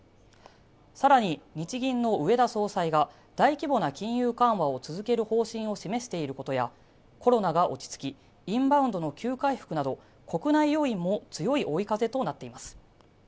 さらに、日銀の植田総裁が大規模な金融緩和を続ける方針を示していることやコロナが落ち着き、インバウンドの急回復など国内要因も強い追い風となっています。